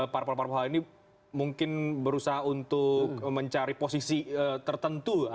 paru paru hal ini mungkin berusaha untuk mencari posisi tertentu